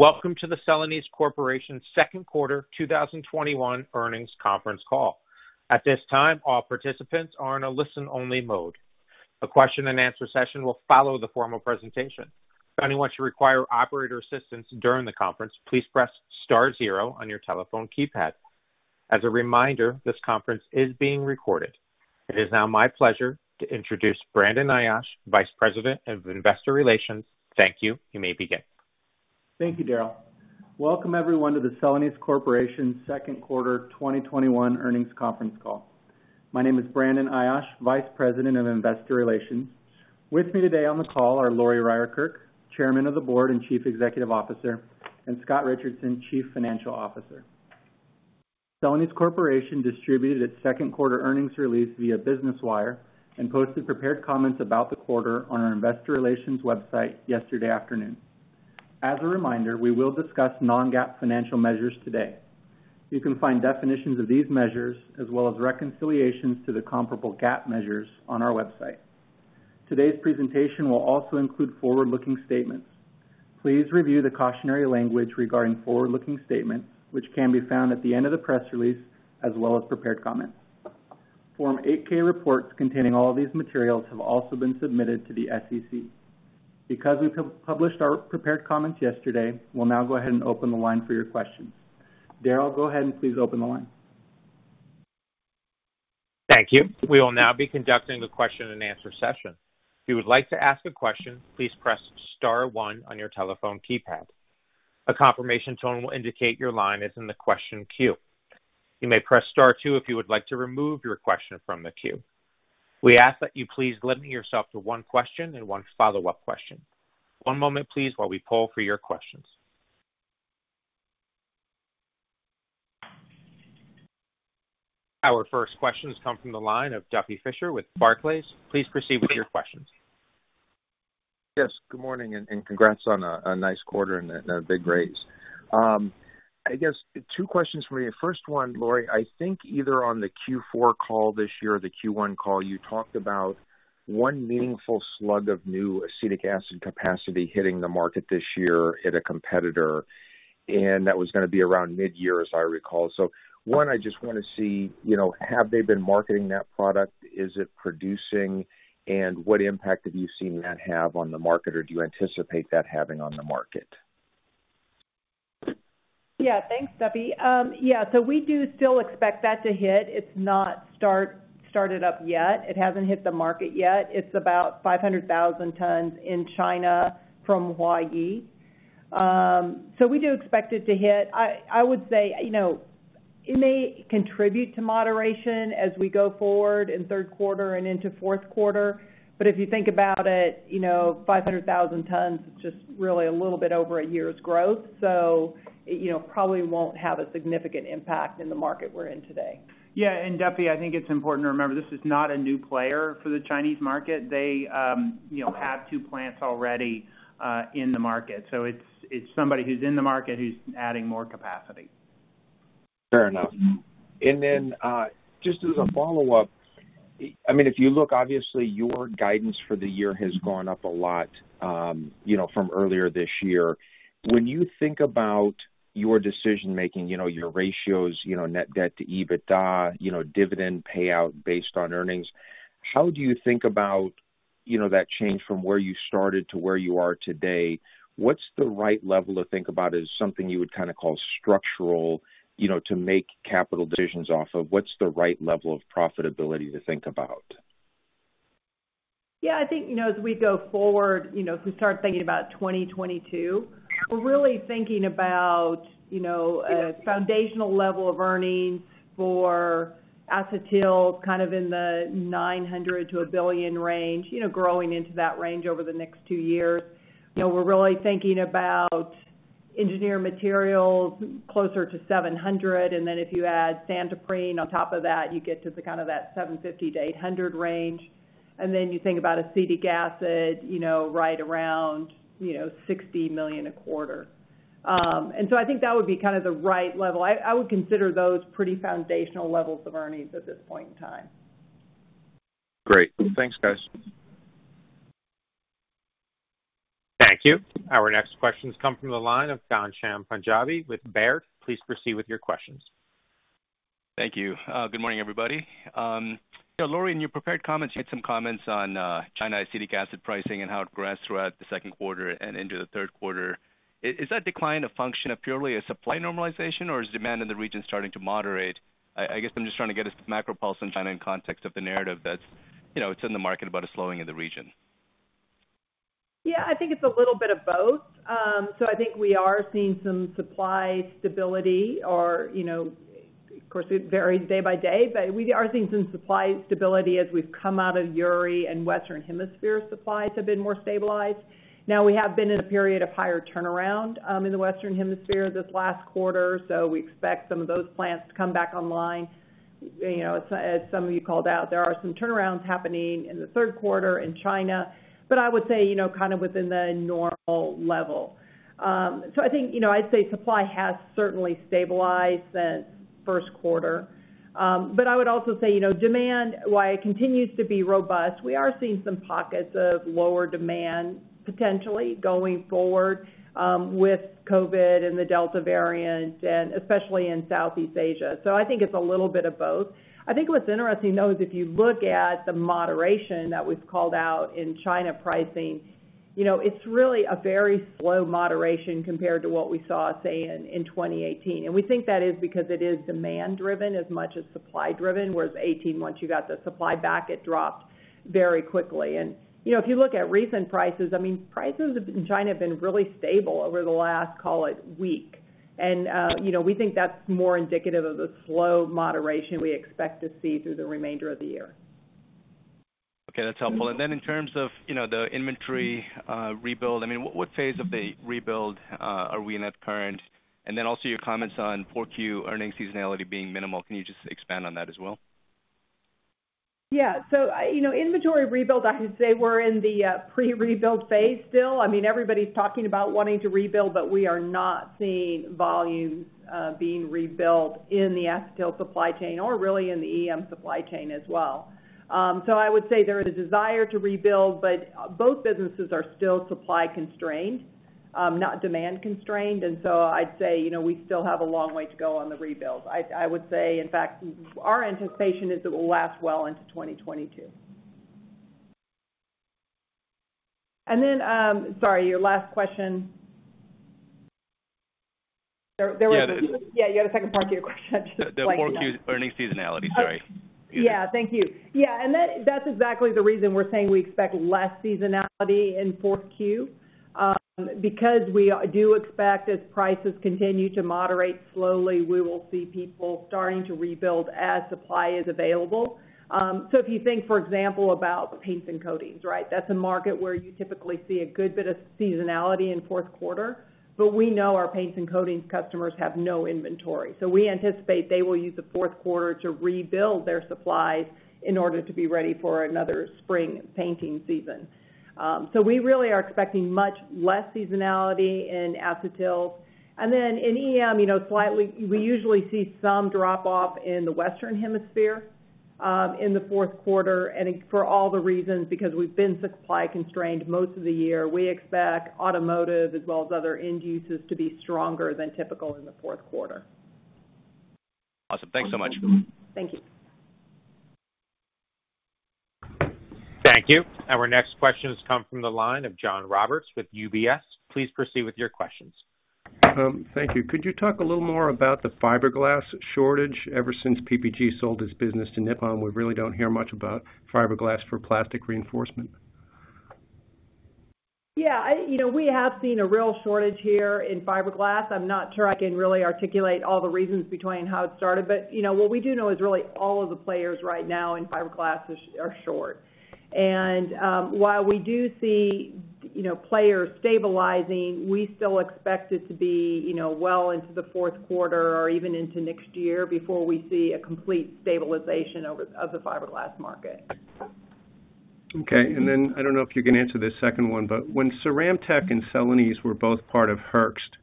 Welcome to the Celanese Corporation Second Quarter 2021 Earnings Conference Call. At this time, all participants are in a listen-only mode. A question and answer session will follow the formal presentation. If anyone should require operator assistance during the conference, please press star zero on your telephone keypad. As a reminder, this conference is being recorded. It is now my pleasure to introduce Brandon Ayache, Vice President of Investor Relations. Thank you. You may begin. Thank you, Daryl. Welcome everyone to the Celanese Corporation Second Quarter 2021 Earnings Conference Call. My name is Brandon Ayache, Vice President of Investor Relations. With me today on the call are Lori Ryerkerk, Chairman of the Board and Chief Executive Officer, and Scott Richardson, Chief Financial Officer. Celanese Corporation distributed its second quarter earnings release via Business Wire and posted prepared comments about the quarter on our investor relations website yesterday afternoon. As a reminder, we will discuss non-GAAP financial measures today. You can find definitions of these measures as well as reconciliations to the comparable GAAP measures on our website. Today's presentation will also include forward-looking statements. Please review the cautionary language regarding forward-looking statements, which can be found at the end of the press release as well as prepared comments. Form 8-K reports containing all of these materials have also been submitted to the SEC. Because we published our prepared comments yesterday, we will now go ahead and open the line for your questions. Daryl, go ahead and please open the line. Thank you. We will now be conducting the question and answer session. If you would like to ask a question, please press star one on your telephone keypad. A confirmation tone will indicate your line is in the question queue. You may press star two if you would like to remove your question from the queue. We ask that you please limit yourself to one question and one follow-up question. One moment please while we poll for your questions. Our first questions come from the line of Duffy Fischer with Barclays. Please proceed with your questions. Yes. Good morning, and congrats on a nice quarter and a big raise. I guess two questions for you. First one, Lori, I think either on the Q4 call this year or the Q1 call, you talked about one meaningful slug of new acetic acid capacity hitting the market this year at a competitor, and that was going to be around mid-year, as I recall. One, I just want to see, have they been marketing that product? Is it producing? And what impact have you seen that have on the market, or do you anticipate that having on the market? Thanks, Duffy. We do still expect that to hit. It's not started up yet. It hasn't hit the market yet. It's about 500,000 tons in China from Huayi. We do expect it to hit. I would say, it may contribute to moderation as we go forward in third quarter and into fourth quarter. If you think about it, 500,000 tons is just really a little bit over a year's growth, it probably won't have a significant impact in the market we're in today. Yeah. Duffy, I think it's important to remember this is not a new player for the Chinese market. They have two plants already in the market. It's somebody who's in the market who's adding more capacity. Fair enough. Just as a follow-up, if you look, obviously, your guidance for the year has gone up a lot from earlier this year. When you think about your decision-making, your ratios, net debt to EBITDA, dividend payout based on earnings, how do you think about that change from where you started to where you are today? What's the right level to think about as something you would call structural to make capital decisions off of? What's the right level of profitability to think about? Yeah, I think, as we go forward, if we start thinking about 2022, we're really thinking about a foundational level of earnings for acetyl kind of in the $900 million to $1 billion range, growing into that range over the next two years. We're really thinking about engineering materials closer to $700 million, and then if you add Santoprene on top of that, you get to that $750 million to $800 million range. You think about acetic acid, right around $60 million a quarter. I think that would be kind of the right level. I would consider those pretty foundational levels of earnings at this point in time. Great. Thanks, guys. Thank you. Our next questions come from the line of Ghansham Panjabi with Baird. Please proceed with your questions. Thank you. Good morning, everybody. Yeah, Lori, in your prepared comments, you had some comments on China acetic acid pricing and how it progressed throughout the second quarter and into the third quarter. Is that decline a function of purely a supply normalization, or is demand in the region starting to moderate? I guess I'm just trying to get a macro pulse on China in context of the narrative that's in the market about a slowing of the region. Yeah, I think it's a little bit of both. I think we are seeing some supply stability or, of course, it varies day by day, but we are seeing some supply stability as we've come out of Uri and Western Hemisphere supplies have been more stabilized. Now, we have been in a period of higher turnaround in the Western Hemisphere this last quarter, so we expect some of those plants to come back online. As some of you called out, there are some turnarounds happening in the third quarter in China, but I would say within the normal level. I think, I'd say supply has certainly stabilized since first quarter. I would also say, demand, while it continues to be robust, we are seeing some pockets of lower demand potentially going forward with COVID and the Delta variant, and especially in Southeast Asia. I think it's a little bit of both. I think what's interesting, though, is if you look at the moderation that was called out in China pricing. It's really a very slow moderation compared to what we saw, say, in 2018. We think that is because it is demand-driven as much as supply-driven, whereas 2018, once you got the supply back, it dropped very quickly. If you look at recent prices in China have been really stable over the last, call it, week. We think that's more indicative of the slow moderation we expect to see through the remainder of the year. Okay, that's helpful. In terms of the inventory rebuild, what phase of the rebuild are we in at current? Also your comments on 4Q earning seasonality being minimal. Can you just expand on that as well? Yeah. Inventory rebuild, I'd say we're in the pre-rebuild phase still. Everybody's talking about wanting to rebuild, but we are not seeing volumes being rebuilt in the acetyl chain or really in the EM supply chain as well. I would say there is a desire to rebuild, but both businesses are still supply-constrained, not demand-constrained. I'd say, we still have a long way to go on the rebuild. I would say, in fact, our anticipation is it will last well into 2022. Sorry, your last question. Yeah. Yeah, you had a second part to your question. The 4Q earnings seasonality, sorry. Yeah. Thank you. Yeah, that's exactly the reason we're saying we expect less seasonality in 4Q. Because we do expect as prices continue to moderate slowly, we will see people starting to rebuild as supply is available. If you think, for example, about paints and coatings, right? That's a market where you typically see a good bit of seasonality in fourth quarter, but we know our paints and coatings customers have no inventory. We anticipate they will use the fourth quarter to rebuild their supplies in order to be ready for one another spring painting season. We really are expecting much less seasonality in acetyls. Then in EM, we usually see some drop off in the Western Hemisphere, in the fourth quarter. For all the reasons, because we've been supply-constrained most of the year, we expect automotive as well as other end uses to be stronger than typical in the fourth quarter. Awesome. Thanks so much. Thank you. Thank you. Our next question has come from the line of John Roberts with UBS. Please proceed with your questions. Thank you. Could you talk a little more about the fiberglass shortage? Ever since PPG sold its business to Nippon, we really don't hear much about fiberglass for plastic reinforcement. Yeah. We have seen a real shortage here in fiberglass. I'm not sure I can really articulate all the reasons between how it started. What we do know is really all of the players right now in fiberglass are short. While we do see players stabilizing, we still expect it to be well into the fourth quarter or even into next year before we see a complete stabilization of the fiberglass market. Okay. I don't know if you can answer this second one, but when CeramTec and Celanese were both part of Hoechst,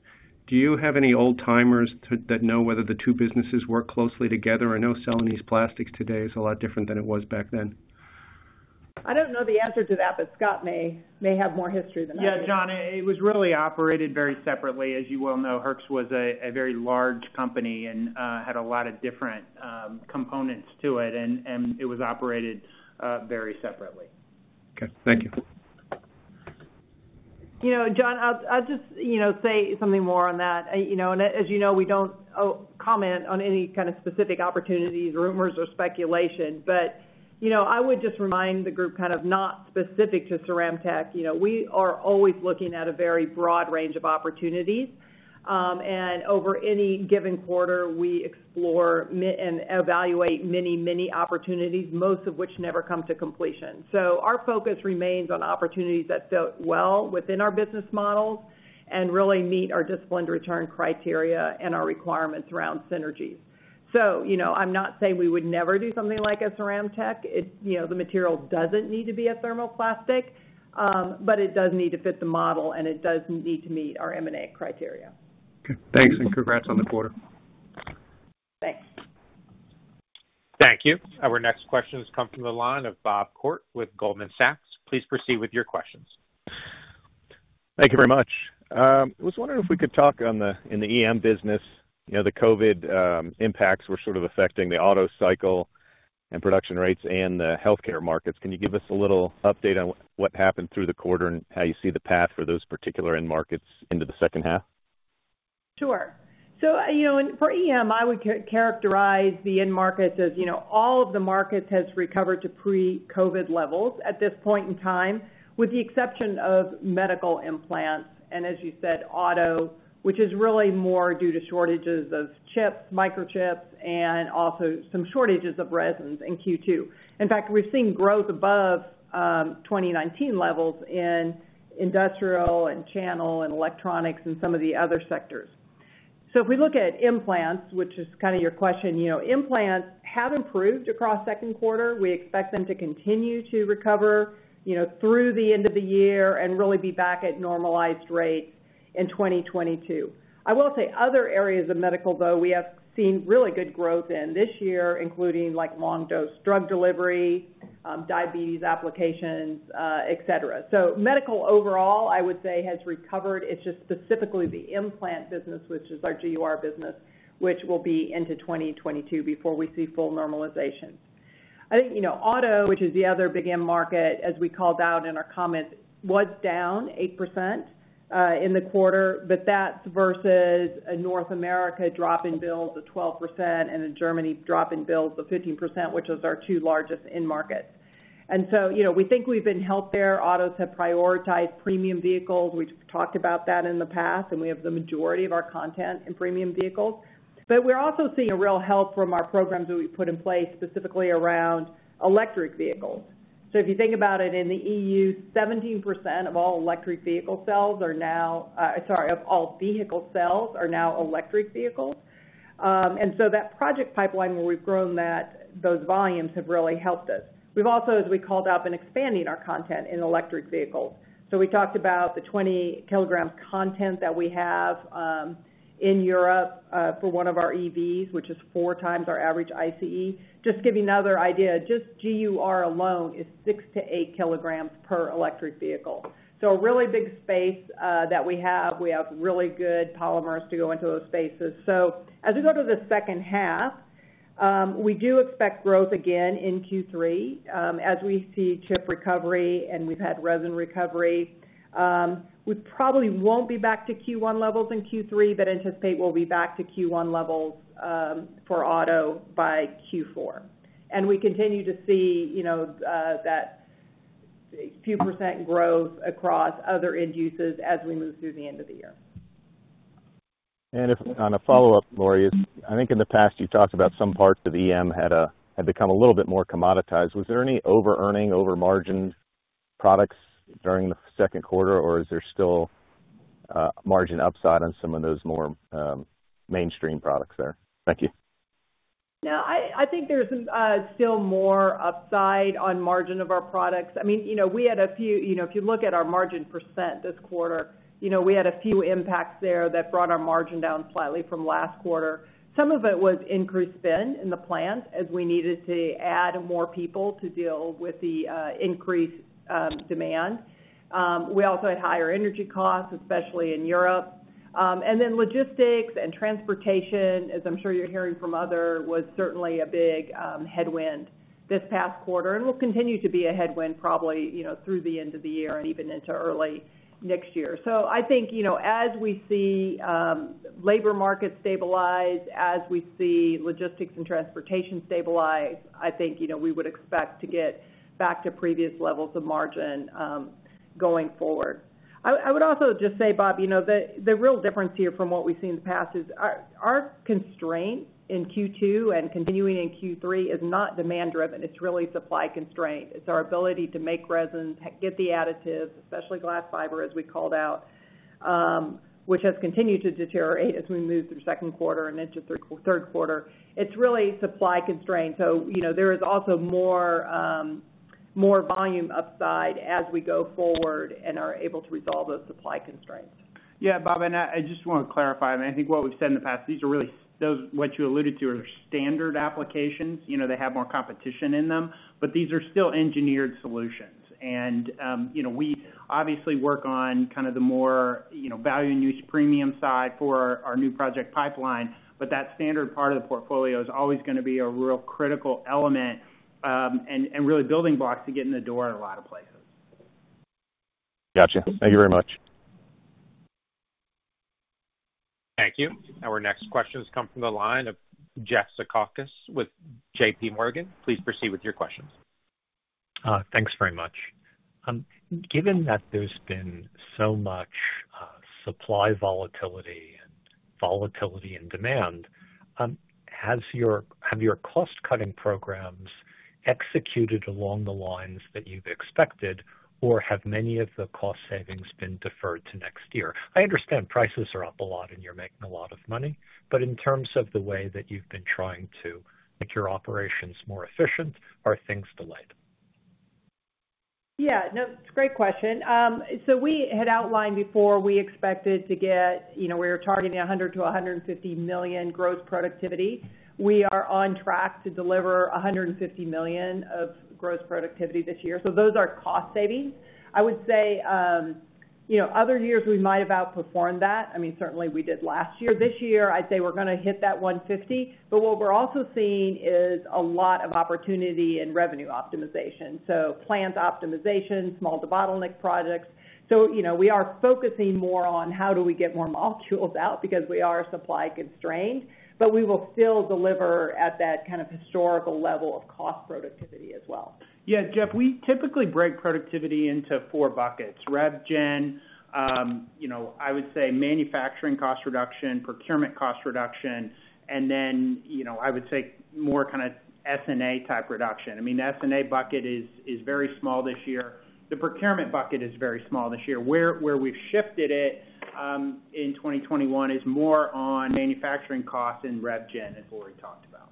do you have any old-timers that know whether the two businesses worked closely together? I know Celanese Plastics today is a lot different than it was back then. I don't know the answer to that, but Scott may have more history than I do. Yeah, John, it was really operated very separately. As you well know, Hoechst was a very large company and had a lot of different components to it, and it was operated very separately. Okay. Thank you. John, I'll just say something more on that. As you know, we don't comment on any kind of specific opportunities, rumors, or speculation. I would just remind the group kind of not specific to CeramTec. We are always looking at a very broad range of opportunities. Over any given quarter, we explore and evaluate many opportunities, most of which never come to completion. Our focus remains on opportunities that fit well within our business models and really meet our disciplined return criteria and our requirements around synergies. I'm not saying we would never do something like a CeramTec. The material doesn't need to be a thermoplastic. It does need to fit the model, and it does need to meet our M&A criteria. Okay, thanks. Congrats on the quarter. Thanks. Thank you. Our next question has come from the line of Bob Koort with Goldman Sachs. Please proceed with your questions. Thank you very much. I was wondering if we could talk in the EM business, the COVID impacts were sort of affecting the auto cycle and production rates in the healthcare markets. Can you give us a little update on what happened through the quarter and how you see the path for those particular end markets into the second half? Sure. For EM, I would characterize the end markets as all of the markets has recovered to pre-COVID levels at this point in time, with the exception of medical implants and, as you said, auto, which is really more due to shortages of chips, microchips, and also some shortages of resins in Q2. In fact, we're seeing growth above 2019 levels in industrial and channel and electronics and some of the other sectors. If we look at implants, which is kind of your question, implants have improved across second quarter. We expect them to continue to recover through the end of the year and really be back at normalized rates in 2022. I will say other areas of medical, though, we have seen really good growth in this year, including like long-dose drug delivery, diabetes applications, et cetera. Medical overall, I would say, has recovered. It's just specifically the implant business, which is our GUR business, which will be into 2022 before we see full normalization. I think auto, which is the other big end market, as we called out in our comments, was down 8% in the quarter, but that's versus a North America drop in builds of 12% and a Germany drop in builds of 15%, which is our two largest end markets. We think we've been helped there. Autos have prioritized premium vehicles. We've talked about that in the past, and we have the majority of our content in premium vehicles. We're also seeing a real help from our programs that we've put in place, specifically around electric vehicles. If you think about it, in the E.U., 17% of all electric vehicle sales are now, sorry, of all vehicle sales are now electric vehicles. That project pipeline, where we've grown those volumes, have really helped us. We've also, as we called out, been expanding our content in electric vehicles. We talked about the 20 kilograms content that we have in Europe for one of our EVs, which is 4x our average ICE. Just to give you another idea, just GUR alone is 6 kg-8 kg per electric vehicle. A really big space that we have. We have really good polymers to go into those spaces. As we go to the second half, we do expect growth again in Q3, as we see chip recovery, and we've had resin recovery. We probably won't be back to Q1 levels in Q3, but anticipate we'll be back to Q1 levels for auto by Q4. We continue to see that few percent growth across other end uses as we move through the end of the year. On a follow-up, Lori, I think in the past, you talked about some parts of EM had become a little bit more commoditized. Was there any over-earning, over-margin products during the second quarter? Is there still margin upside on some of those more mainstream products there? Thank you. No, I think there's still more upside on margin of our products. If you look at our margin percent this quarter, we had a few impacts there that brought our margin down slightly from last quarter. Some of it was increased spend in the plant, as we needed to add more people to deal with the increased demand. We also had higher energy costs, especially in Europe. Logistics and transportation, as I'm sure you're hearing from others, was certainly a big headwind this past quarter, and will continue to be a headwind probably through the end of the year and even into early next year. I think, as we see labor markets stabilize, as we see logistics and transportation stabilize, I think we would expect to get back to previous levels of margin going forward. I would also just say, Bob, the real difference here from what we've seen in the past is our constraint in Q2 and continuing in Q3 is not demand-driven. It's really supply constraint. It's our ability to make resins, get the additives, especially glass fiber, as we called out, which has continued to deteriorate as we move through second quarter and into third quarter. It's really supply constraint. There is also more volume upside as we go forward and are able to resolve those supply constraints. Yeah, Bob, and I just want to clarify, and I think what we've said in the past, what you alluded to are standard applications. They have more competition in them. These are still engineered solutions. We obviously work on the more value-in-use premium side for our new project pipeline. That standard part of the portfolio is always going to be a real critical element, and really building blocks to get in the door in a lot of places. Gotcha. Thank you very much. Thank you. Our next question has come from the line of Jeffrey Zekauskas with JPMorgan. Please proceed with your questions. Thanks very much. Given that there's been so much supply volatility and volatility in demand, have your cost-cutting programs executed along the lines that you've expected, or have many of the cost savings been deferred to next year? I understand prices are up a lot and you're making a lot of money, but in terms of the way that you've been trying to make your operations more efficient, are things delayed? Yeah, no, it's a great question. We had outlined before, we were targeting $100 million-$150 million gross productivity. We are on track to deliver $150 million of gross productivity this year. Those are cost savings. I would say other years we might have outperformed that. Certainly we did last year. This year, I'd say we're going to hit that $150 million. What we're also seeing is a lot of opportunity in revenue optimization. Plant optimization, small debottleneck projects. We are focusing more on how do we get more molecules out, because we are supply constrained, but we will still deliver at that kind of historical level of cost productivity as well. Yeah, Jeff, we typically break productivity into four buckets. Rev gen, I would say manufacturing cost reduction, procurement cost reduction. I would say more kind of SG&A type reduction. The SG&A bucket is very small this year. The procurement bucket is very small this year. Where we've shifted it in 2021 is more on manufacturing costs and rev gen, as Lori talked about.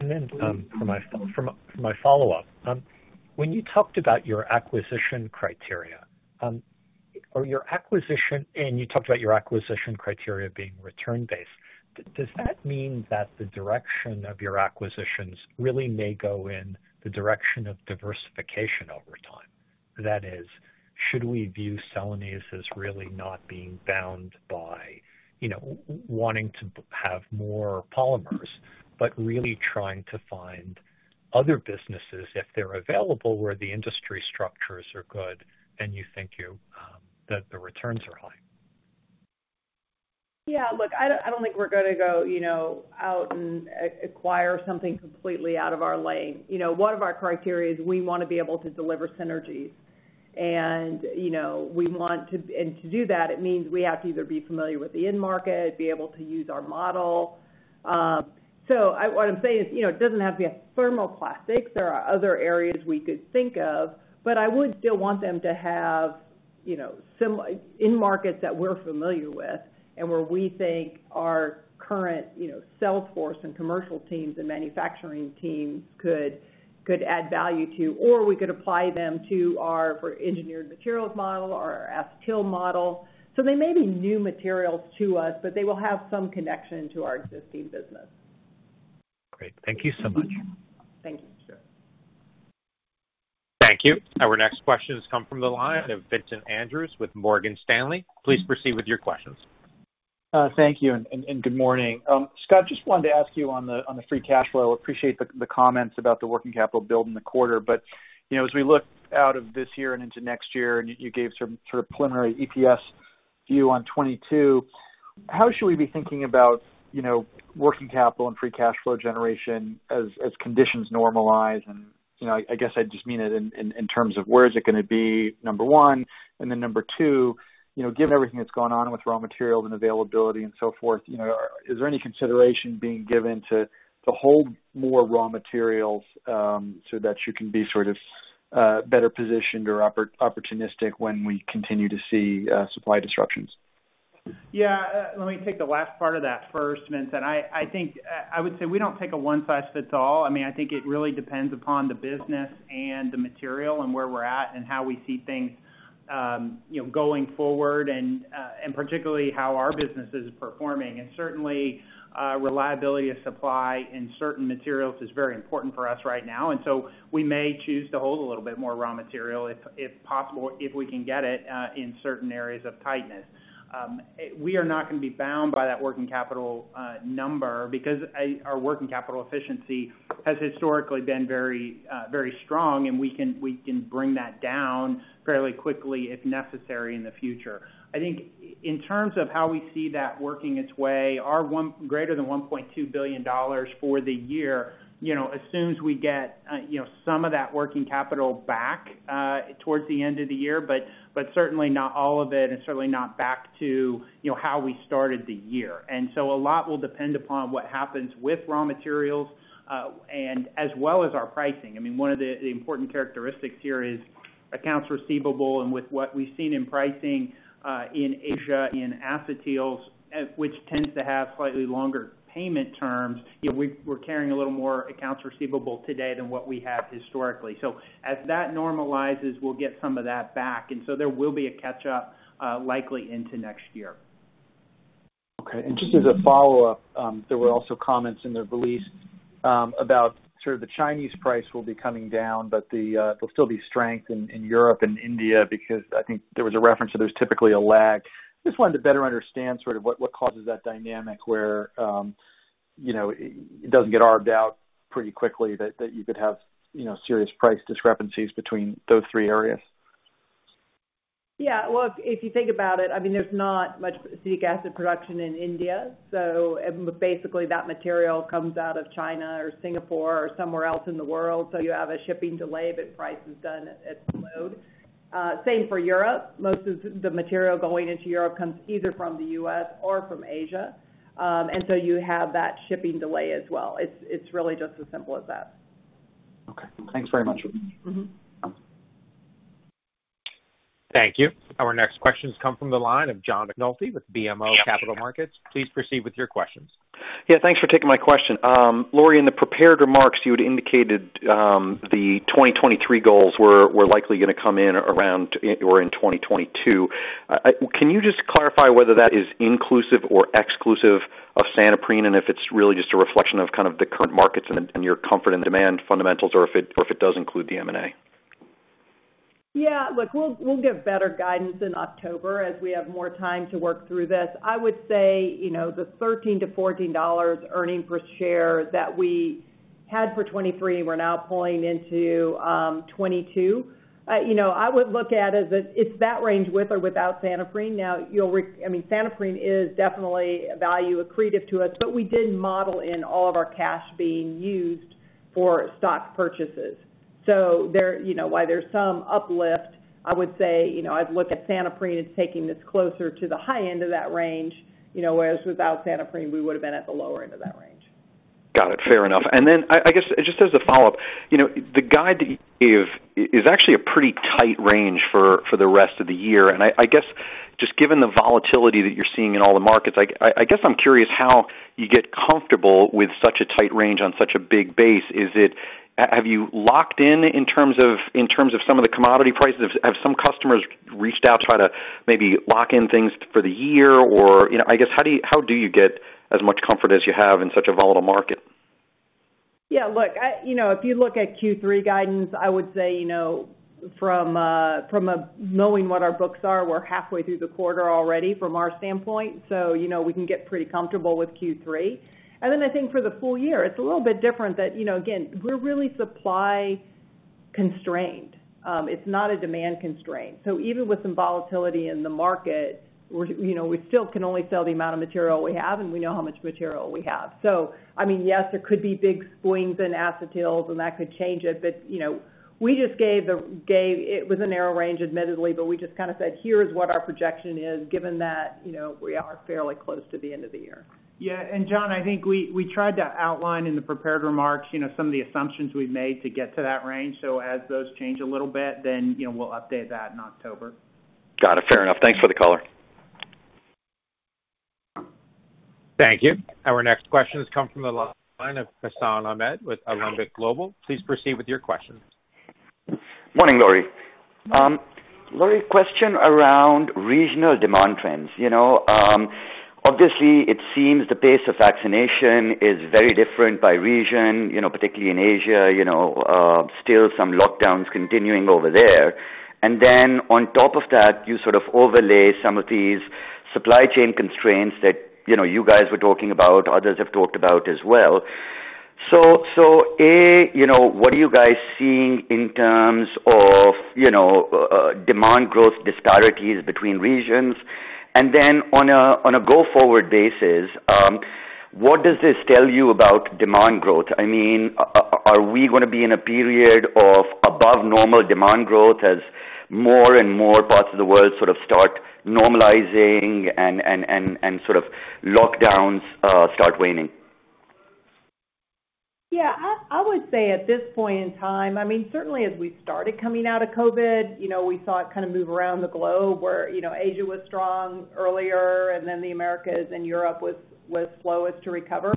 For my follow-up, when you talked about your acquisition criteria, and you talked about your acquisition criteria being return-based, does that mean that the direction of your acquisitions really may go in the direction of diversification over time? That is, should we view Celanese as really not being bound by wanting to have more polymers, but really trying to find other businesses, if they're available, where the industry structures are good and you think that the returns are high? Yeah, look, I don't think we're going to go out and acquire something completely out of our lane. One of our criteria is we want to be able to deliver synergies. To do that, it means we have to either be familiar with the end market, be able to use our model. What I'm saying is, it doesn't have to be a thermoplastic. There are other areas we could think of, but I would still want them to have end markets that we're familiar with and where we think our current sales force and commercial teams and manufacturing teams could add value to, or we could apply them to our engineered materials model or our acetyl model. They may be new materials to us, but they will have some connection to our existing business. Great. Thank you so much. Thank you. Thank you. Our next question has come from the line of Vincent Andrews with Morgan Stanley. Please proceed with your questions. Thank you. Good morning, Scott. Just wanted to ask you on the free cash flow, appreciate the comments about the working capital build in the quarter. As we look out of this year and into next year, and you gave some sort of preliminary EPS view on 2022, how should we be thinking about working capital and free cash flow generation as conditions normalize? I guess I just mean it in terms of where is it going to be, number one. Number two, given everything that's gone on with raw materials and availability and so forth, is there any consideration being given to hold more raw materials so that you can be sort of better positioned or opportunistic when we continue to see supply disruptions? Yeah. Let me take the last part of that first, Vincent. I would say we don't take a one-size-fits-all. I think it really depends upon the business and the material and where we're at and how we see things going forward and particularly how our business is performing. Certainly, reliability of supply in certain materials is very important for us right now, and so we may choose to hold a little bit more raw material, if we can get it in certain areas of tightness. We are not going to be bound by that working capital number because our working capital efficiency has historically been very strong, and we can bring that down fairly quickly if necessary in the future. I think in terms of how we see that working its way, our greater than $1.2 billion for the year, as soon as we get some of that working capital back towards the end of the year, but certainly not all of it, and certainly not back to how we started the year. A lot will depend upon what happens with raw materials as well as our pricing. One of the important characteristics here is accounts receivable and with what we've seen in pricing in Asia, in acetyls, which tends to have slightly longer payment terms, we're carrying a little more accounts receivable today than what we have historically. As that normalizes, we'll get some of that back, there will be a catch-up likely into next year. Okay. Just as a follow-up, there were also comments in the release about sort of the Chinese price will be coming down, but there'll still be strength in Europe and India because I think there was a reference that there's typically a lag. Just wanted to better understand sort of what causes that dynamic where it doesn't get arb'd out pretty quickly that you could have serious price discrepancies between those three areas. Well, if you think about it, there's not much acetic acid production in India. Basically, that material comes out of China or Singapore or somewhere else in the world, so you have a shipping delay, but price is done at the load. Same for Europe. Most of the material going into Europe comes either from the U.S. or from Asia. You have that shipping delay as well. It's really just as simple as that. Okay. Thanks very much. Thank you. Our next question has come from the line of John McNulty with BMO Capital Markets. Please proceed with your questions. Yeah, thanks for taking my question. Lori, in the prepared remarks, you had indicated the 2023 goals were likely going to come in around or in 2022. Can you just clarify whether that is inclusive or exclusive of Santoprene, and if it's really just a reflection of kind of the current markets and your comfort in demand fundamentals, or if it does include the M&A? Look, we'll give better guidance in October as we have more time to work through this. I would say, the $13-$14 earnings per share that we had for 2023, we're now pulling into 2022. I would look at it as it's that range with or without Santoprene. Santoprene is definitely value accretive to us, but we didn't model in all of our cash being used for stock purchases. While there's some uplift, I would say, I'd look at Santoprene as taking this closer to the high end of that range, whereas without Santoprene, we would have been at the lower end of that range. Got it. Fair enough. I guess, just as a follow-up, the guide is actually a pretty tight range for the rest of the year. I guess just given the volatility that you're seeing in all the markets, I guess I'm curious how you get comfortable with such a tight range on such a big base. Have you locked in terms of some of the commodity prices? Have some customers reached out to try to maybe lock in things for the year? I guess, how do you get as much comfort as you have in such a volatile market? Yeah, look, if you look at Q3 guidance, I would say from knowing what our books are, we're halfway through the quarter already from our standpoint, we can get pretty comfortable with Q3. I think for the full year, it's a little bit different that, again, we're really supply constrained. It's not a demand constraint. Even with some volatility in the market, we still can only sell the amount of material we have, and we know how much material we have. Yes, there could be big swings in acetyls, and that could change it. It was a narrow range, admittedly, but we just kind of said, "Here's what our projection is, given that we are fairly close to the end of the year. Yeah. John, I think we tried to outline in the prepared remarks some of the assumptions we've made to get to that range. As those change a little bit, then we'll update that in October. Got it. Fair enough. Thanks for the color. Thank you. Our next question has come from the line of Hassan Ahmed with Alembic Global. Please proceed with your questions. Morning, Lori. Lori, question around regional demand trends. Obviously, it seems the pace of vaccination is very different by region particularly in Asia still some lockdowns continuing over there. Then on top of that, you sort of overlay some of these supply chain constraints that you guys were talking about, others have talked about as well. A, what are you guys seeing in terms of demand growth disparities between regions? Then on a go-forward basis, what does this tell you about demand growth? Are we going to be in a period of above-normal demand growth as more and more parts of the world sort of start normalizing and lockdowns start waning? I would say at this point in time, certainly as we started coming out of COVID, we saw it kind of move around the globe where Asia was strong earlier, and then the Americas and Europe was slowest to recover.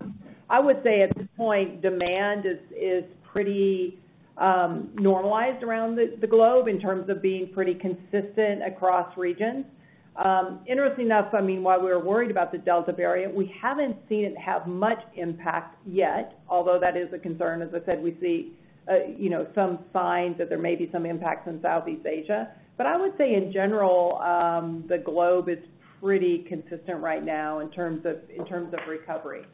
I would say at this point, demand is pretty normalized around the globe in terms of being pretty consistent across regions. Interestingly enough, while we were worried about the Delta variant, we haven't seen it have much impact yet, although that is a concern. As I said, we see some signs that there may be some impacts on Southeast Asia. I would say in general, the globe is pretty consistent right now in terms of recovery.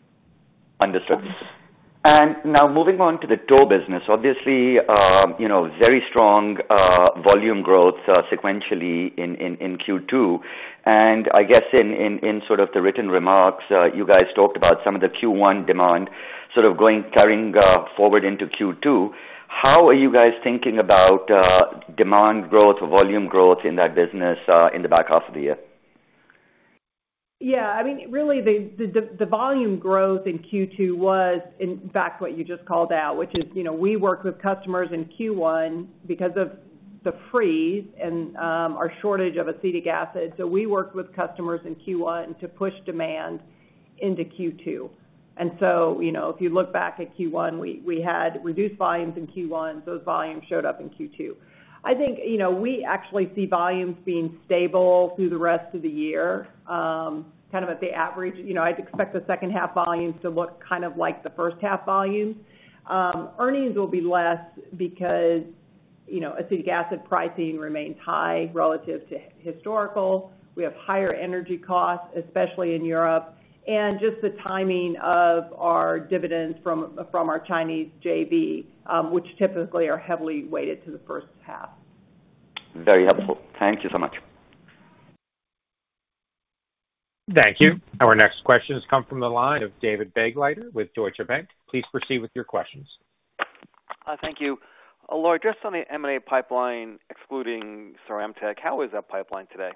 Understood. Now moving on to the tow business, obviously, very strong volume growth sequentially in Q2, and I guess in sort of the written remarks, you guys talked about some of the Q1 demand sort of carrying forward into Q2. How are you guys thinking about demand growth or volume growth in that business in the back half of the year? Yeah, really the volume growth in Q2 was in fact what you just called out, which is we worked with customers in Q1 because of the freeze and our shortage of acetic acid. We worked with customers in Q1 to push demand into Q2. If you look back at Q1, we had reduced volumes in Q1, so those volumes showed up in Q2. I think we actually see volumes being stable through the rest of the year, kind of at the average. I'd expect the second half volumes to look kind of like the first half volumes. Earnings will be less because acetic acid pricing remains high relative to historical. We have higher energy costs, especially in Europe, and just the timing of our dividends from our Chinese JV, which typically are heavily weighted to the first half. Very helpful. Thank you so much. Thank you. Our next question has come from the line of David Begleiter with Deutsche Bank. Please proceed with your questions. Thank you. Lori, just on the M&A pipeline, excluding CeramTec, how is that pipeline today?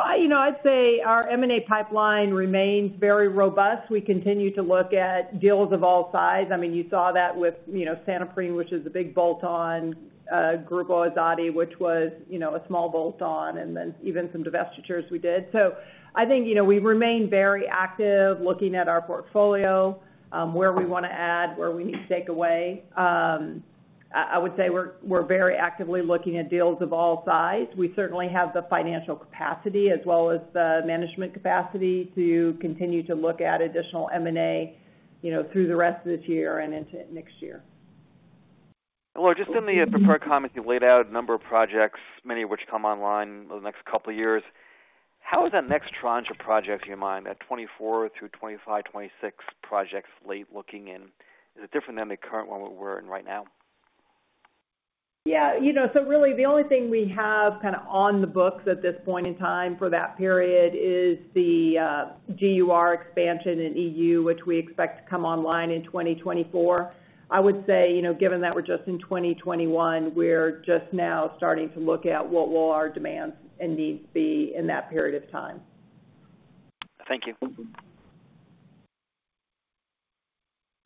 I'd say our M&A pipeline remains very robust. We continue to look at deals of all size. You saw that with Santoprene, which is a big bolt-on, Grupa Azoty, which was a small bolt-on, and then even some divestitures we did. I think we remain very active looking at our portfolio, where we want to add, where we need to take away. I would say we're very actively looking at deals of all size. We certainly have the financial capacity as well as the management capacity to continue to look at additional M&A through the rest of this year and into next year. Lori, just in the prepared comments, you laid out a number of projects, many of which come online over the next couple of years. How is that next tranche of projects you mind, that 2024 through 2025, 2026 projects slate looking in? Is it different than the current one we're in right now? Yeah. Really the only thing we have kind of on the books at this point in time for that period is the GUR expansion in EU, which we expect to come online in 2024. I would say, given that we're just in 2021, we're just now starting to look at what will our demands and needs be in that period of time. Thank you.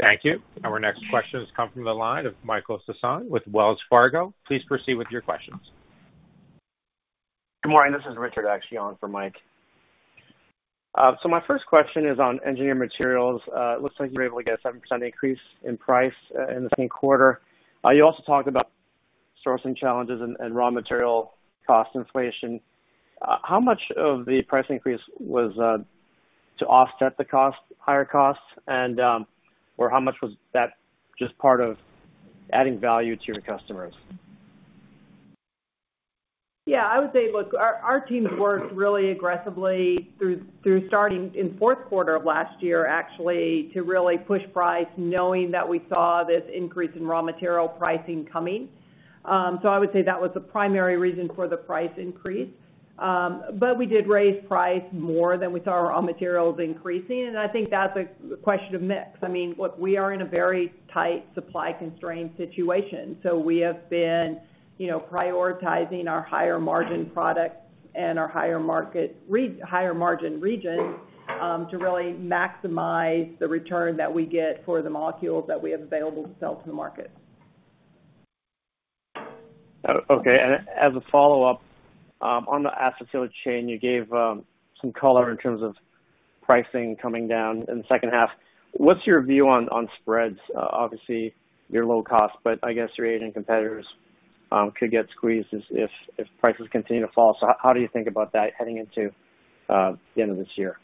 Thank you. Our next question has come from the line of Michael Sison with Wells Fargo. Please proceed with your questions. Good morning. This is Richard actually on for Mike. My first question is on engineered materials. It looks like you were able to get a 7% increase in price in the same quarter. You also talked about sourcing challenges and raw material cost inflation. How much of the price increase was to offset the higher costs, or how much was that just part of adding value to your customers? Yeah, I would say, look, our teams worked really aggressively through starting in the fourth quarter of last year, actually, to really push price, knowing that we saw this increase in raw material pricing coming. I would say that was the primary reason for the price increase. We did raise price more than we saw our raw materials increasing, and I think that's a question of mix. Look, we are in a very tight supply constraint situation. We have been prioritizing our higher margin products and our higher margin regions to really maximize the return that we get for the molecules that we have available to sell to the market. Okay. As a follow-up, on the acetyl chain, you gave some color in terms of pricing coming down in the second half. What's your view on spreads? Obviously, you're low cost, but I guess your Asian competitors could get squeezed if prices continue to fall. How do you think about that heading into the end of this year?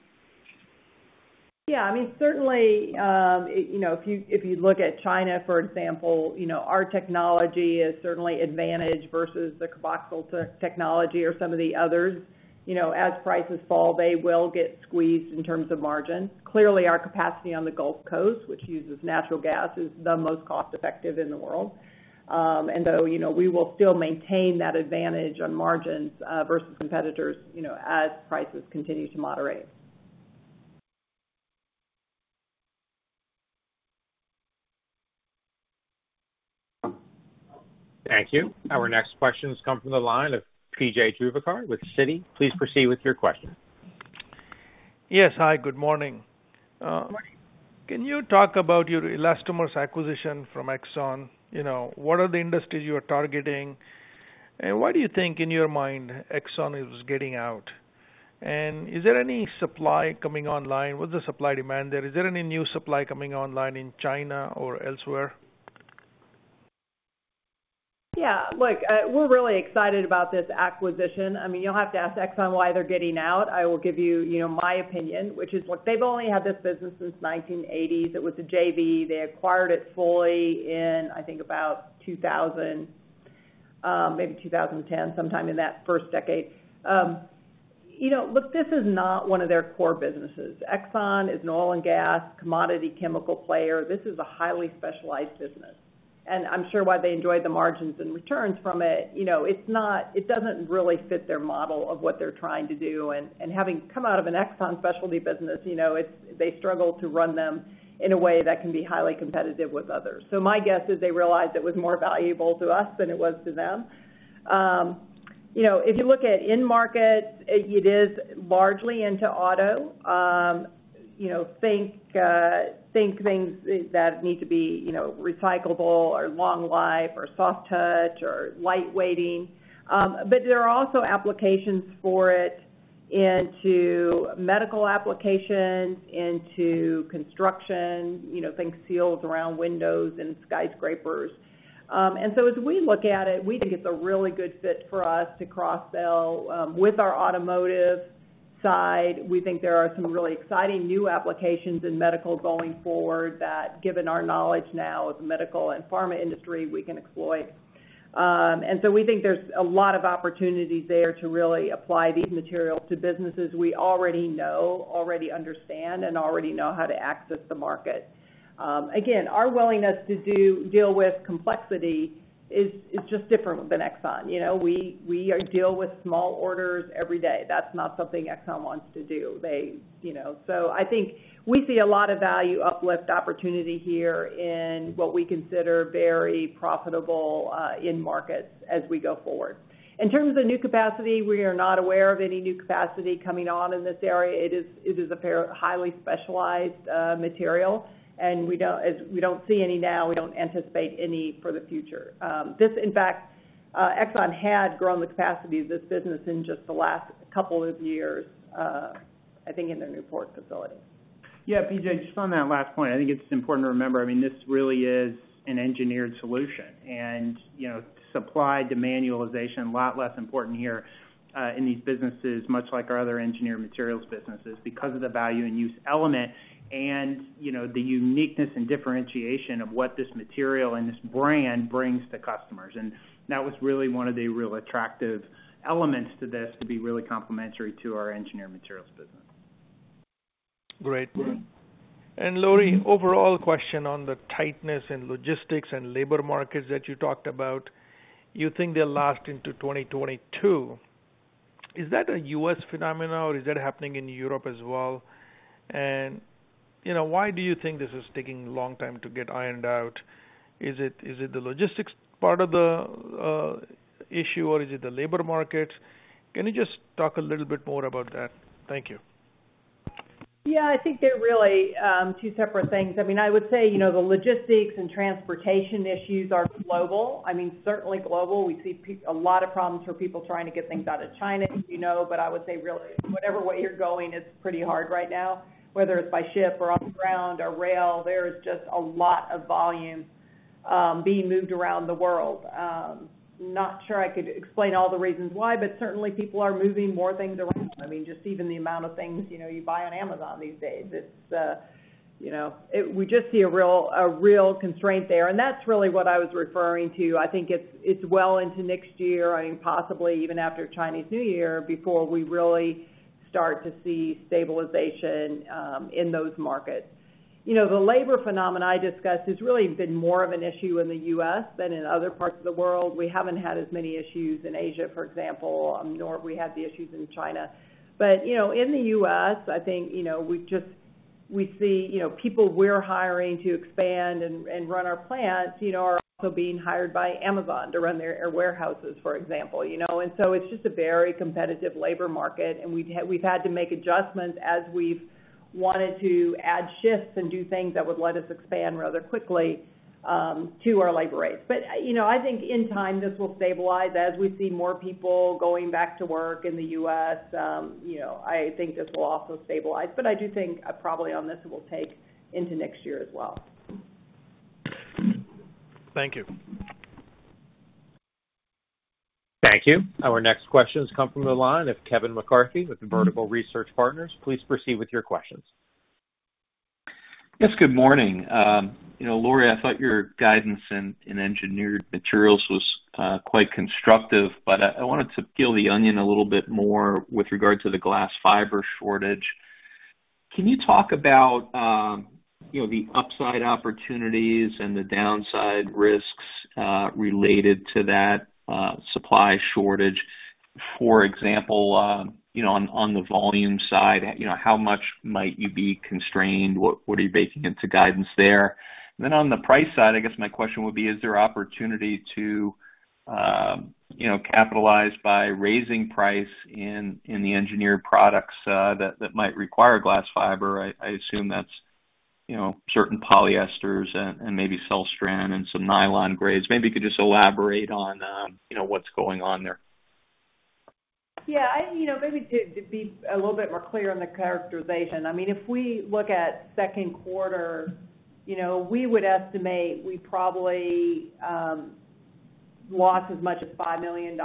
Yeah. Certainly, if you look at China, for example, our technology is certainly advantaged versus the carboxyl technology or some of the others. As prices fall, they will get squeezed in terms of margins. Clearly, our capacity on the Gulf Coast, which uses natural gas, is the most cost-effective in the world. We will still maintain that advantage on margins versus competitors as prices continue to moderate. Thank you. Our next questions come from the line of P.J. Juvekar with Citi. Please proceed with your question. Yes. Hi, good morning. Morning. Can you talk about your elastomers acquisition from ExxonMobil? What are the industries you are targeting, and why do you think, in your mind, ExxonMobil is getting out? Is there any supply coming online? With the supply demand there, is there any new supply coming online in China or elsewhere? Yeah. Look, we're really excited about this acquisition. You'll have to ask ExxonMobil why they're getting out. I will give you my opinion, which is, look, they've only had this business since 1980s. It was a JV. They acquired it fully in, I think about 2000, maybe 2010, sometime in that first decade. Look, this is not 1 of their core businesses. ExxonMobil is an oil and gas commodity chemical player. This is a highly specialized business, and I'm sure while they enjoyed the margins and returns from it doesn't really fit their model of what they're trying to do. Having come out of an ExxonMobil specialty business, they struggle to run them in a way that can be highly competitive with others. My guess is they realized it was more valuable to us than it was to them. If you look at end markets, it is largely into auto. Think things that need to be recyclable or long life or soft touch or light weighting. There are also applications for it into medical applications, into construction, think seals around windows in skyscrapers. As we look at it, we think it's a really good fit for us to cross-sell with our automotive side. We think there are some really exciting new applications in medical going forward that, given our knowledge now of the medical and pharma industry, we can exploit. We think there's a lot of opportunities there to really apply these materials to businesses we already know, already understand, and already know how to access the market. Again, our willingness to deal with complexity is just different than ExxonMobil. We deal with small orders every day. That's not something ExxonMobil wants to do. I think we see a lot of value uplift opportunity here in what we consider very profitable end markets as we go forward. In terms of new capacity, we are not aware of any new capacity coming on in this area. It is a highly specialized material, and we don't see any now. We don't anticipate any for the future. This, in fact, ExxonMobil had grown the capacity of this business in just the last couple of years, I think in their Newport facility. Yeah, PJ, just on that last point, I think it's important to remember this really is an engineered solution. Supply demand utilization, a lot less important here in these businesses, much like our other engineered materials businesses, because of the value and use element and the uniqueness and differentiation of what this material and this brand brings to customers. That was really one of the real attractive elements to this to be really complementary to our engineered materials business. Great. Lori, overall question on the tightness in logistics and labor markets that you talked about. You think they'll last into 2022. Is that a U.S. phenomenon or is that happening in Europe as well? Why do you think this is taking a long time to get ironed out? Is it the logistics part of the issue or is it the labor market? Can you just talk a little bit more about that? Thank you. Yeah, I think they're really two separate things. I would say the logistics and transportation issues are global. Certainly global. We see a lot of problems for people trying to get things out of China, as you know. I would say really whatever way you're going, it's pretty hard right now, whether it's by ship or on ground or rail. There is just a lot of volume being moved around the world. Not sure I could explain all the reasons why, but certainly people are moving more things around. Just even the amount of things you buy on Amazon these days. We just see a real constraint there. That's really what I was referring to. I think it's well into next year, possibly even after Chinese New Year, before we really start to see stabilization in those markets. The labor phenomena I discussed has really been more of an issue in the U.S. than in other parts of the world. We haven't had as many issues in Asia, for example, nor have we had the issues in China. In the U.S., I think we see people we're hiring to expand and run our plants are also being hired by Amazon to run their warehouses, for example. It's just a very competitive labor market, and we've had to make adjustments as we've wanted to add shifts and do things that would let us expand rather quickly to our labor rates. I think in time, this will stabilize as we see more people going back to work in the U.S. I think this will also stabilize. I do think probably on this, it will take into next year as well. Thank you. Thank you. Our next questions come from the line of Kevin McCarthy with Vertical Research Partners. Please proceed with your questions. Yes, good morning. Lori, I thought your guidance in engineered materials was quite constructive, but I wanted to peel the onion a little bit more with regard to the glass fiber shortage. Can you talk about the upside opportunities and the downside risks related to that supply shortage? For example, on the volume side, how much might you be constrained? What are you baking into guidance there? On the price side, I guess my question would be, is there opportunity to capitalize by raising price in the engineered products that might require glass fiber? I assume that's certain polyesters and maybe Celstran and some nylon grades. Maybe you could just elaborate on what's going on there. Maybe to be a little bit more clear on the characterization, if we look at second quarter, we would estimate we probably lost as much as $5 million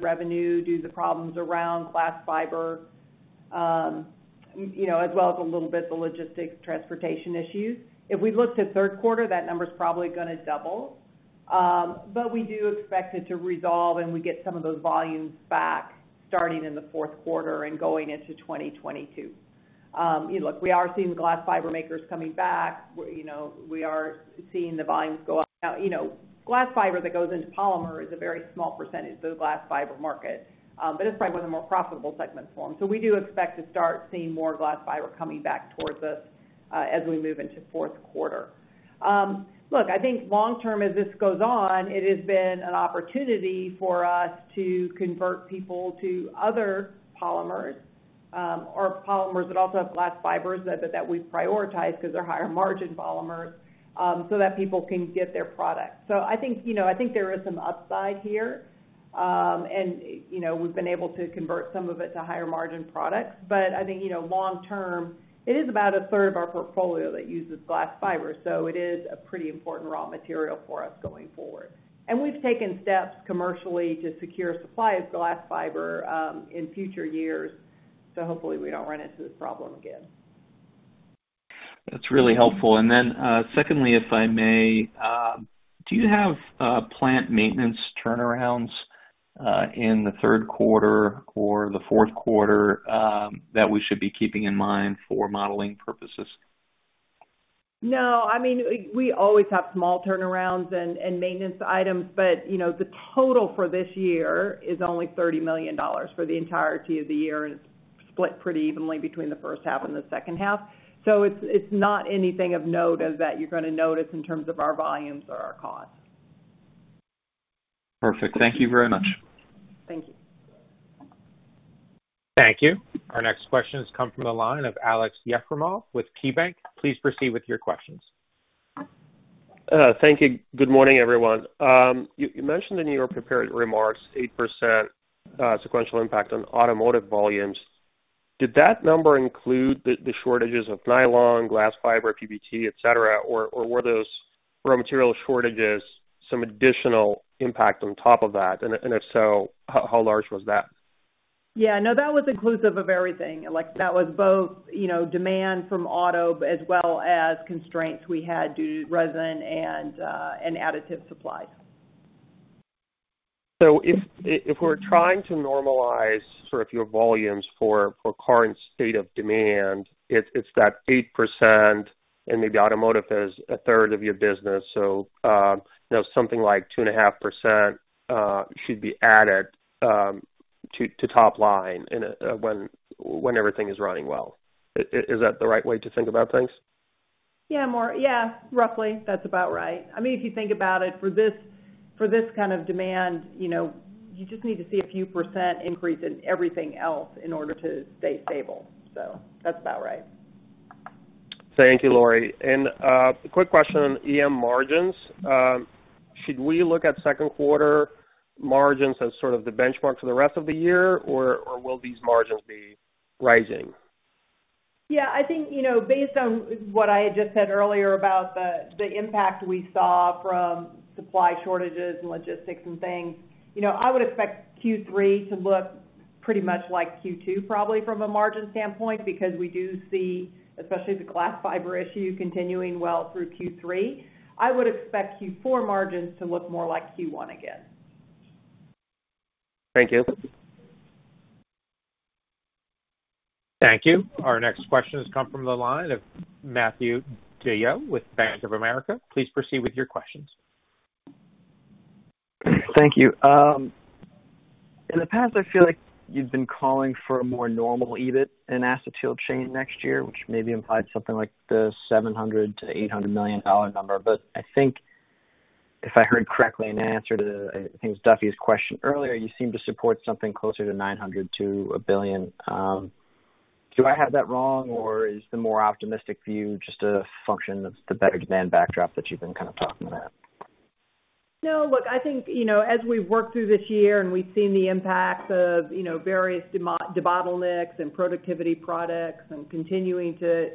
revenue due to the problems around glass fiber, as well as a little bit the logistics transportation issues. If we looked at third quarter, that number's probably going to double. We do expect it to resolve, and we get some of those volumes back starting in the fourth quarter and going into 2022. Look, we are seeing glass fiber makers coming back. We are seeing the volumes go up. Now, glass fiber that goes into polymer is a very small percentage of the glass fiber market, but it's probably one of the more profitable segments for them. We do expect to start seeing more glass fiber coming back towards us as we move into fourth quarter. Look, I think long term, as this goes on, it has been an opportunity for us to convert people to other polymers or polymers that also have glass fibers that we prioritize because they're higher margin polymers, so that people can get their product. I think there is some upside here. We've been able to convert some of it to higher margin products. I think long term, it is about a third of our portfolio that uses glass fiber. It is a pretty important raw material for us going forward. We've taken steps commercially to secure supply of glass fiber in future years. Hopefully we don't run into this problem again. That's really helpful. Secondly, if I may, do you have plant maintenance turnarounds in the third quarter or the fourth quarter that we should be keeping in mind for modeling purposes? No. We always have small turnarounds and maintenance items, but the total for this year is only $30 million for the entirety of the year, and it's split pretty evenly between the first half and the second half. It's not anything of note that you're going to notice in terms of our volumes or our costs. Perfect. Thank you very much. Thank you. Thank you. Our next question comes from the line of Aleksey Yefremov with KeyBanc Capital Markets. Please proceed with your questions. Thank you. Good morning, everyone. You mentioned in your prepared remarks 8% sequential impact on automotive volumes. Did that number include the shortages of nylon, glass fiber, PBT, et cetera? Were those raw material shortages some additional impact on top of that? If so, how large was that? Yeah, no, that was inclusive of everything, Aleksey. That was both demand from auto as well as constraints we had due to resin and additive supplies. If we're trying to normalize your volumes for current state of demand, it's that 8%, and maybe automotive is a third of your business. Something like 2.5% should be added to top line when everything is running well. Is that the right way to think about things? Yeah, roughly. That's about right. If you think about it, for this kind of demand, you just need to see a few percent increase in everything else in order to stay stable. That's about right. Thank you, Lori. A quick question on EM margins. Should we look at second quarter margins as sort of the benchmark for the rest of the year, or will these margins be rising? I think, based on what I had just said earlier about the impact we saw from supply shortages and logistics and things, I would expect Q3 to look pretty much like Q2 probably from a margin standpoint. Because we do see, especially the glass fiber issue continuing well through Q3, I would expect Q4 margins to look more like Q1 again. Thank you. Thank you. Our next question has come from the line of Matthew DeYoe with Bank of America. Please proceed with your questions. Thank you. In the past, I feel like you've been calling for a more normal EBIT in Acetyl Chain next year, which maybe implied something like the $700 million-$800 million number. I think if I heard correctly in answer to, I think it was Duffy's question earlier, you seem to support something closer to $900 million-$1 billion. Do I have that wrong, or is the more optimistic view just a function of the better demand backdrop that you've been kind of talking about? Look, I think, as we've worked through this year and we've seen the impact of various debottlenecks and productivity projects and continuing to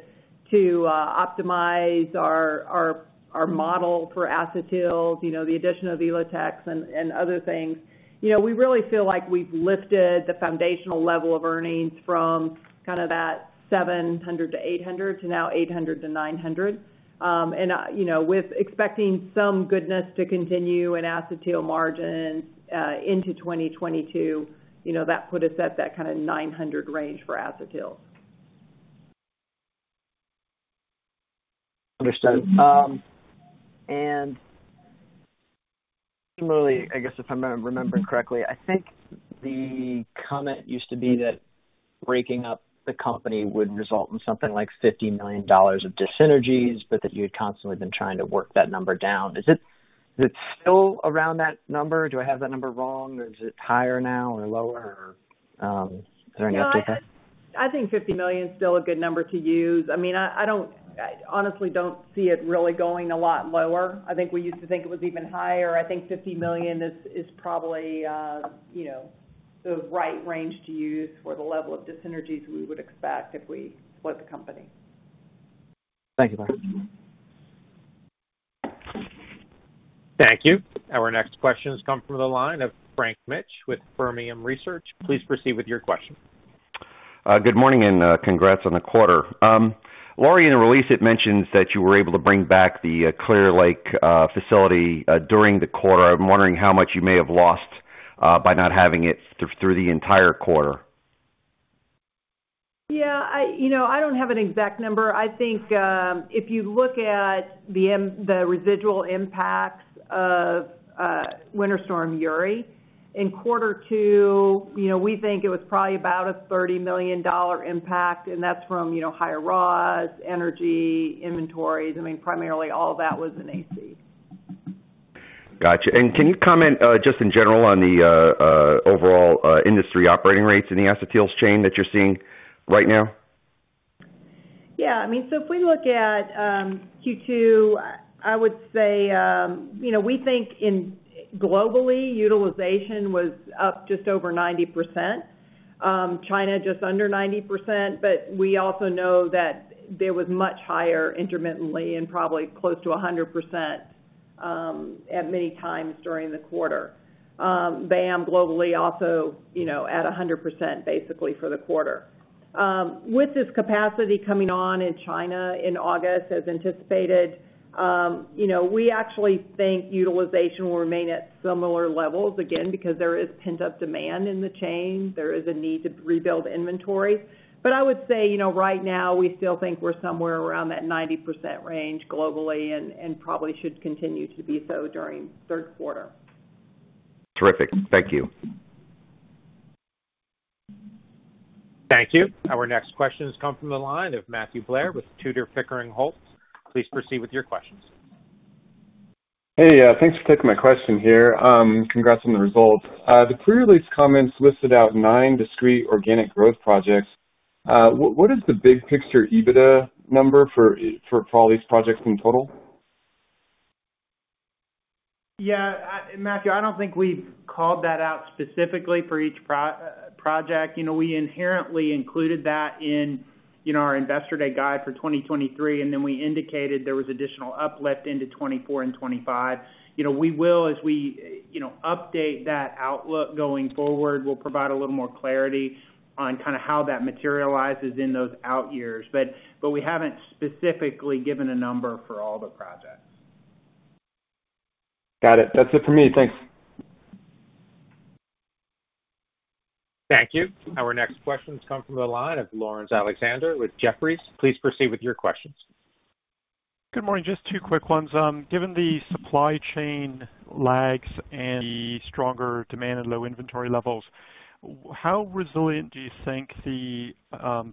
optimize our model for acetyls, the addition of Elotex and other things. We really feel like we've lifted the foundational level of earnings from kind of that $700-$800 to now $800-$900. With expecting some goodness to continue in acetyl margins into 2022, that put us at that kind of $900 range for acetyls. Understood. Similarly, I guess if I'm remembering correctly, I think the comment used to be that breaking up the company would result in something like $50 million of dissynergies, but that you'd constantly been trying to work that number down. Is it still around that number? Do I have that number wrong, or is it higher now or lower? Or is there any update there? I think $50 million is still a good number to use. I honestly don't see it really going a lot lower. I think we used to think it was even higher. I think $50 million is probably the right range to use for the level of dissynergies we would expect if we split the company. Thank you. Thank you. Our next question has come from the line of Frank Mitsch with Fermium Research. Please proceed with your question. Good morning, congrats on the quarter. Lori, in the release, it mentions that you were able to bring back the Clear Lake facility during the quarter. I'm wondering how much you may have lost by not having it through the entire quarter. Yeah, I don't have an exact number. I think if you look at the residual impacts of Winter Storm Uri in quarter two, we think it was probably about a $30 million impact. That's from higher raws, energy, inventories. Primarily all of that was in AC. Got you. Can you comment just in general on the overall industry operating rates in the acetyls chain that you're seeing right now? If we look at Q2, I would say we think globally, utilization was up just over 90%. China, just under 90%. We also know that there was much higher intermittently and probably close to 100% at many times during the quarter. VAM globally also at 100% basically for the quarter. With this capacity coming on in China in August as anticipated, we actually think utilization will remain at similar levels, again, because there is pent-up demand in the chain. There is a need to rebuild inventory. I would say, right now, we still think we're somewhere around that 90% range globally and probably should continue to be so during third quarter. Terrific. Thank you. Thank you. Our next question has come from the line of Matthew Blair with Tudor, Pickering, Holt. Please proceed with your questions. Hey, thanks for taking my question here. Congrats on the results. The pre-release comments listed out nine discrete organic growth projects. What is the big picture EBITDA number for all these projects in total? Yeah, Matthew, I don't think we've called that out specifically for each project. We inherently included that in our Investor Day guide for 2023, and then we indicated there was additional uplift into 2024 and 2025. We will, as we update that outlook going forward, we'll provide a little more clarity on kind of how that materializes in those out years. We haven't specifically given a number for all the projects. Got it. That's it for me. Thanks. Thank you. Our next question has come from the line of Laurence Alexander with Jefferies. Please proceed with your questions. Good morning. Just two quick ones. Given the supply chain lags and the stronger demand and low inventory levels, how resilient do you think the acetyl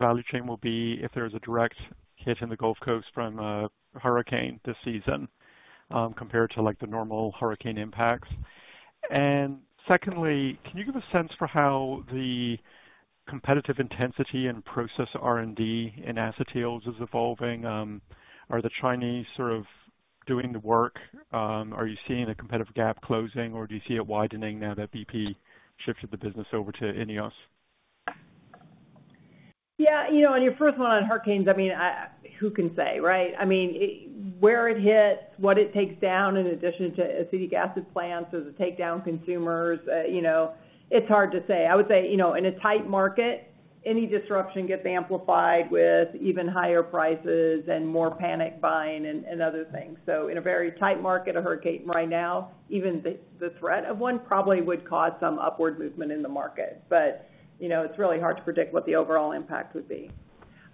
value chain will be if there is a direct hit in the Gulf Coast from a hurricane this season compared to the normal hurricane impacts? Secondly, can you give a sense for how the competitive intensity and process R&D in acetyls is evolving? Are the Chinese sort of doing the work, are you seeing the competitive gap closing, or do you see it widening now that BP shifted the business over to INEOS? On your first one on hurricanes, who can say, right? Where it hits, what it takes down in addition to acetic acid plants. Does it take down consumers? It's hard to say. I would say, in a tight market, any disruption gets amplified with even higher prices and more panic buying and other things. In a very tight market, a hurricane right now, even the threat of one probably would cause some upward movement in the market. It's really hard to predict what the overall impact would be.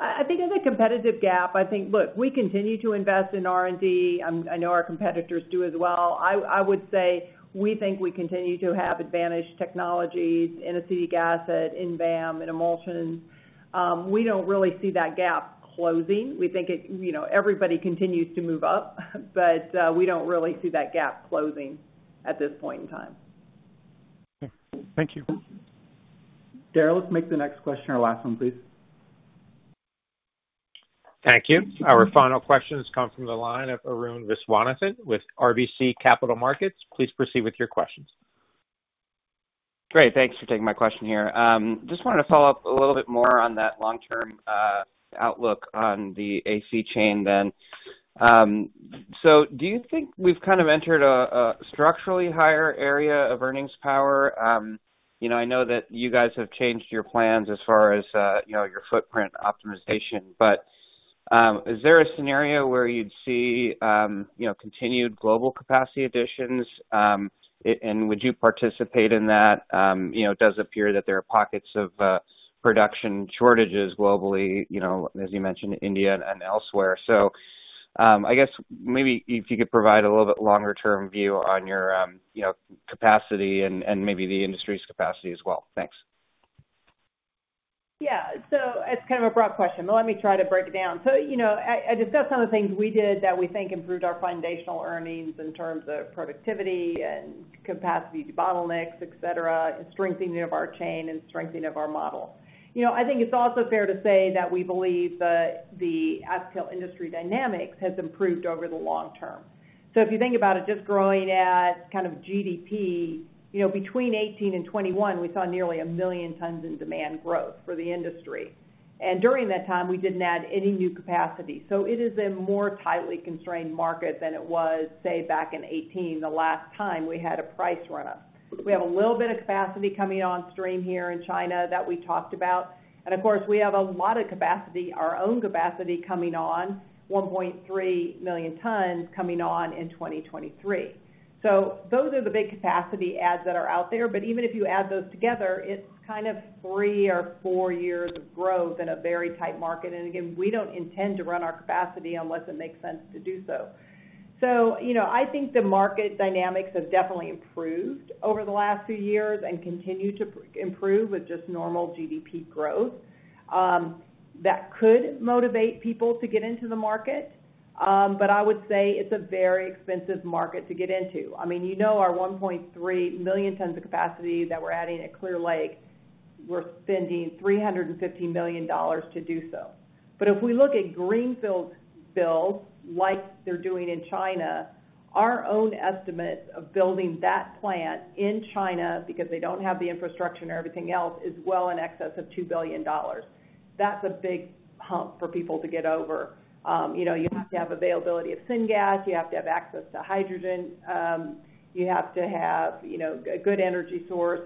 I think there's a competitive gap. I think, look, we continue to invest in R&D. I know our competitors do as well. I would say we think we continue to have advantaged technologies in acetic acid, in VAM, in emulsions. We don't really see that gap closing. We think everybody continues to move up, but we don't really see that gap closing at this point in time. Okay. Thank you. Darryl, let's make the next question our last one, please. Thank you. Our final question comes from the line of Arun Viswanathan with RBC Capital Markets. Please proceed with your questions. Great. Thanks for taking my question here. Just wanted to follow up a little bit more on that long-term outlook on the acetyl chain then. Do you think we've kind of entered a structurally higher area of earnings power? I know that you guys have changed your plans as far as your footprint optimization. Is there a scenario where you'd see continued global capacity additions, and would you participate in that? It does appear that there are pockets of production shortages globally, as you mentioned, India and elsewhere. I guess maybe if you could provide a little bit longer-term view on your capacity and maybe the industry's capacity as well. Thanks. Yeah. It's kind of a broad question, but let me try to break it down. I discussed some of the things we did that we think improved our foundational earnings in terms of productivity and capacity bottlenecks, et cetera, and strengthening of our chain and strengthening of our model. I think it's also fair to say that we believe that the acetyl industry dynamics has improved over the long term. If you think about it, just growing at kind of GDP, between 2018 and 2021, we saw nearly 1 million tons in demand growth for the industry. During that time, we didn't add any new capacity. It is a more tightly constrained market than it was, say, back in 2018, the last time we had a price run-up. We have a little bit of capacity coming on stream here in China that we talked about. Of course, we have a lot of capacity, our own capacity coming on, 1.3 million tons coming on in 2023. Those are the big capacity adds that are out there. Even if you add those together, it's kind of three or four years of growth in a very tight market. Again, we don't intend to run our capacity unless it makes sense to do so. I think the market dynamics have definitely improved over the last few years and continue to improve with just normal GDP growth. That could motivate people to get into the market. I would say it's a very expensive market to get into. You know our 1.3 million tons of capacity that we're adding at Clear Lake, we're spending $350 million to do so. If we look at greenfield builds like they're doing in China, our own estimate of building that plant in China, because they don't have the infrastructure and everything else, is well in excess of $2 billion. That's a big hump for people to get over. You have to have availability of syngas, you have to have access to hydrogen, you have to have a good energy source.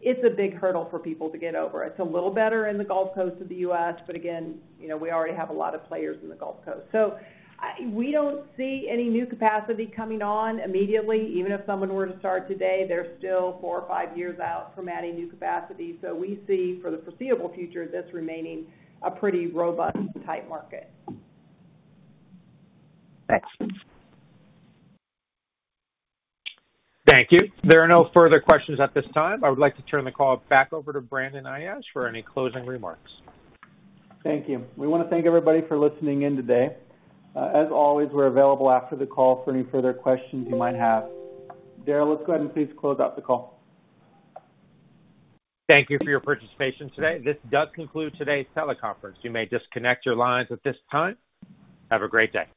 It's a big hurdle for people to get over. It's a little better in the Gulf Coast of the U.S., but again, we already have a lot of players in the Gulf Coast. We don't see any new capacity coming on immediately. Even if someone were to start today, they're still four or five years out from adding new capacity. We see for the foreseeable future, this remaining a pretty robust, tight market. Thanks. Thank you. There are no further questions at this time. I would like to turn the call back over to Brandon Ayache for any closing remarks. Thank you. We want to thank everybody for listening in today. As always, we're available after the call for any further questions you might have. Darryl, let's go ahead and please close out the call. Thank you for your participation today. This does conclude today's teleconference. You may disconnect your lines at this time. Have a great day.